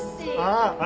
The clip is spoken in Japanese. ああ。